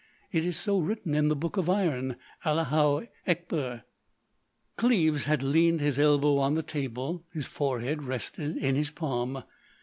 It is so written in the Book of Iron.... Allahou Ekber." Cleves had leaned his elbow on the table, his forehead rested in his palm.